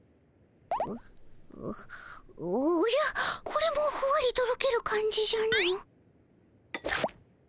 これもふわりとろける感じじゃの。